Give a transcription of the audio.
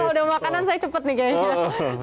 udah makanan saya cepet nih kayaknya